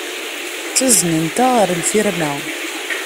Ttaznent-aɣ ɣer lfirma.